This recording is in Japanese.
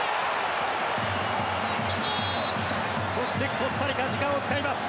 そして、コスタリカ時間を使います。